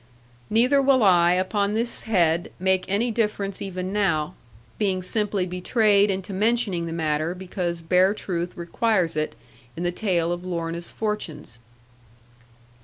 Neither will I, upon this head, make any difference even now; being simply betrayed into mentioning the matter because bare truth requires it, in the tale of Lorna's fortunes.